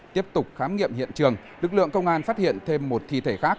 tiếp tục khám nghiệm hiện trường lực lượng công an phát hiện thêm một thi thể khác